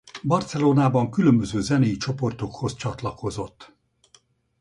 Barcelonában különböző zenei csoportokhoz csatlakozott.